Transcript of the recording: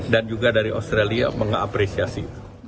dan juga dari australia mengapresiasi